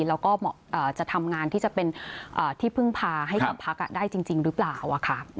แล้วก็จะทำงานที่จะเป็นที่พึ่งพาให้กับพักได้จริงหรือเปล่าค่ะ